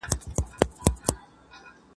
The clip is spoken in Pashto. رنګېنې بڼي یې لمر ته ځلېدلې !.